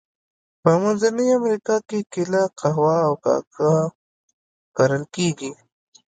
په منځنۍ امریکا کې کېله، قهوه او کاکاو کرل کیږي.